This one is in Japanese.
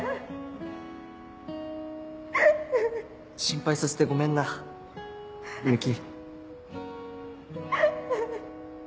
心配させてごめんな美雪。